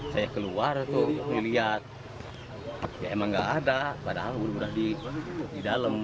saya keluar tuh dilihat ya emang gak ada padahal udah udah di dalam